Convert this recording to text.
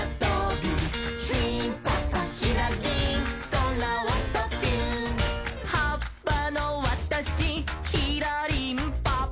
「しゅいーんぱっぱひらりんそらをとびゅーん」「はっぱのわたしひらりんぱ」